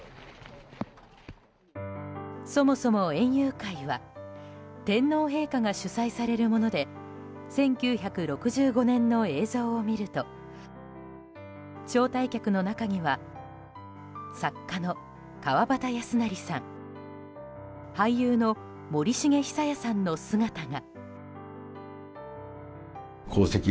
そもそも園遊会は天皇陛下が主催されるもので１９６５年の映像を見ると招待客の中には作家の川端康成さん俳優の森繁久彌さんの姿が。